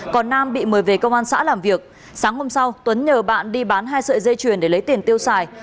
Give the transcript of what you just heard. còn nam bị mời về công an xã làm việc sáng hôm sau tuấn nhờ bạn đi bán hai sợi dây chuyền để lấy tiền tiêu xài